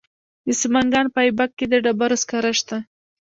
د سمنګان په ایبک کې د ډبرو سکاره شته.